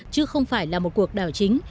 chứ không phải là một cuộc đảo chính